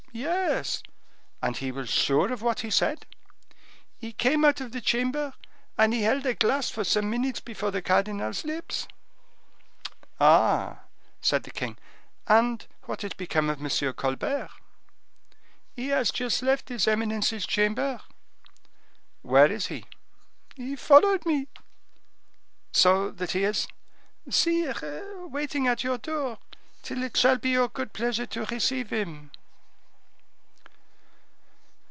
"Yes." "And he was sure of what he said?" "He came out of the chamber, and had held a glass for some minutes before the cardinal's lips." "Ah!" said the king. "And what is become of M. Colbert?" "He has just left his eminence's chamber." "Where is he?" "He followed me." "So that he is—" "Sire, waiting at your door, till it shall be your good pleasure to receive him."